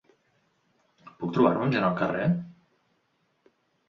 Puc trobar-me amb gent al carrer?